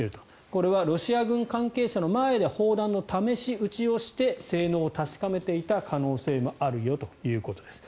これはロシア軍関係者の前で砲弾の試し撃ちをして性能を確かめていた可能性もあるよということです。